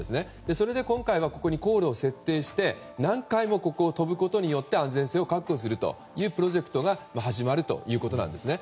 それで今回はここに航路を設定して何回もここを飛ぶことで安全性を確保するというプロジェクトが始まるということですね。